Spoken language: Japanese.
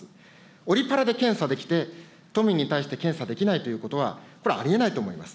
オリパラで検査できて、都民に対して検査できないということは、これ、ありえないと思います。